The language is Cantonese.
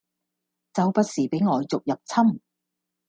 周不時俾外族入侵